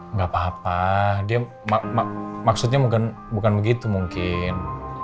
nggak apa apa dia maksudnya bukan begitu mungkin